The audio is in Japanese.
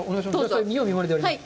見よう見まねでやります。